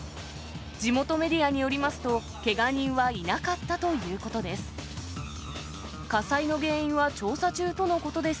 地元メディアによりますと、けが人はいなかったということです。